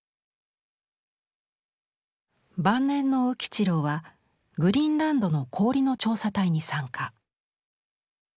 晩年の宇吉郎はグリーンランドの氷の調査隊に参加。